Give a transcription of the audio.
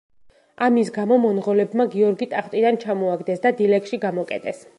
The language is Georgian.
ამის გამო მონღოლებმა გიორგი ტახტიდან ჩამოაგდეს და დილეგში გამოკეტეს.